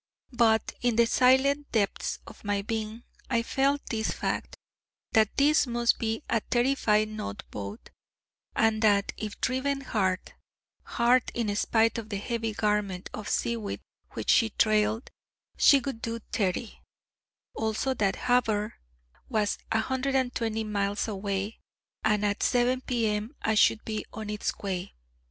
But in the silent depths of my being I felt this fact: that this must be a 35 knot boat, and that, if driven hard, hard, in spite of the heavy garment of seaweed which she trailed, she would do 30; also that Havre was 120 miles away, and at 7 P.M. I should be on its quay.